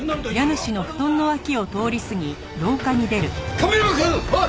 亀山くん！おい！